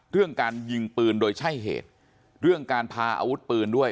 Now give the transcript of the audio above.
เรื่องการยิงปืนโดยใช่เหตุเรื่องการพาอาวุธปืนด้วย